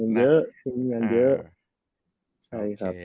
เยอะช่วงนี้งานเยอะ